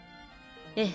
ええ。